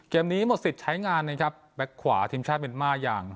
นี้หมดสิทธิ์ใช้งานนะครับแบ็คขวาทีมชาติเมียนมาร์อย่าง